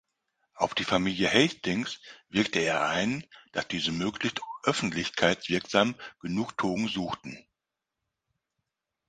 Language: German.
Auf die Familie Hastings wirkte er ein, dass diese möglichst öffentlichkeitswirksam Genugtuung suchten.